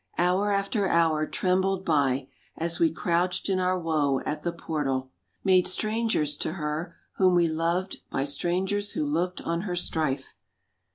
Hour after hour trembled by, as we crouched in our woe at the portal, Made strangers to her whom we loved by strangers who looked on her strife.